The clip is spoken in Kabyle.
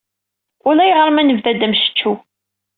Ulayɣer ma nebda-d ammectcew.